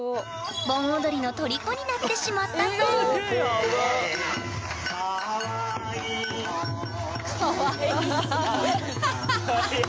盆踊りのとりこになってしまったそうハハハ！